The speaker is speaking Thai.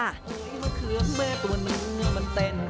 โอ๊ยมะเคือบแม่ตัวหนึ่งมันเต้น